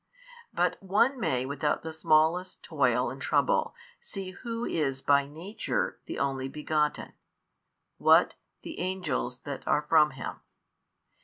But one may without the smallest toil and trouble see Who is by Nature the Only Begotten, what the angels that are from Him.